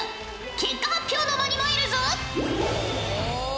結果発表の間に参るぞ！